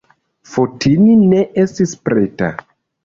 Fotini ne estis preta.